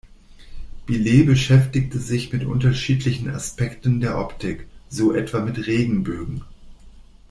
Billet beschäftigte sich mit unterschiedlichen Aspekten der Optik, so etwa mit Regenbögen.